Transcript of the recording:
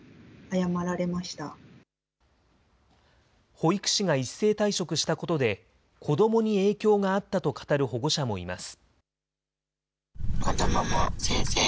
保育士が一斉退職したことで、子どもに影響があったと語る保護者もいます。